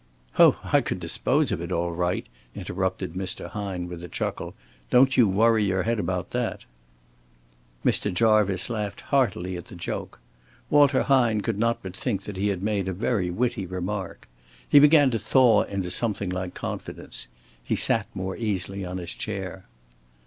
"Oh, I could dispose of it all right," interrupted Mr. Hine with a chuckle. "Don't you worry your head about that." Mr. Jarvice laughed heartily at the joke. Walter Hine could not but think that he had made a very witty remark. He began to thaw into something like confidence. He sat more easily on his chair.